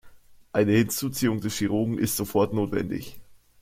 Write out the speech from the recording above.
Eine Hinzuziehung des Chirurgen ist sofort notwendig.